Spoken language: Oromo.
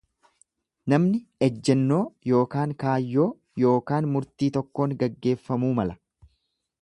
Namni ejjennoo ykn kaayyoo ykn murtii tokkoon gaggeeffamuu mala.